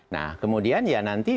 nah kemudian ya nanti